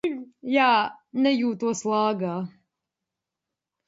Jā, nejūtos lāgā.